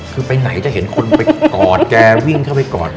คือไปไหนจะเห็นคนไปกอดแกวิ่งเข้าไปกอด